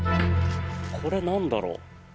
これ、なんだろう。